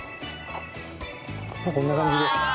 こんな感じで。